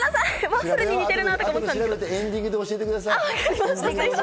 エンディングで教えてください。